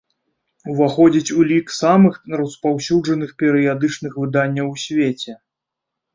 Уваходзіць у лік самых распаўсюджаных перыядычных выданняў у свеце.